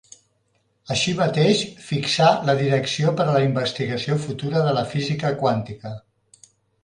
Així mateix fixà la direcció per a la investigació futura de la física quàntica.